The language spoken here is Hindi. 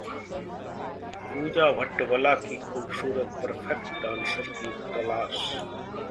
पूजा भट्ट बला की खूबसूरत पर्फेक्ट डांसर की तलाश